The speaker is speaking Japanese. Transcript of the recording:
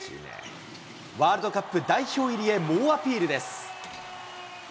ワールドカップ代表入りへ猛アピールです。